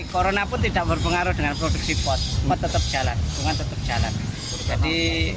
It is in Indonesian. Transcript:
corona pun tidak berpengaruh dengan produksi pot pot tetap jalan bukan tetap jalan jadi